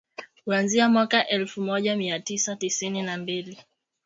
Kuanzia mwaka elfu moja mia tisa tisini na mbili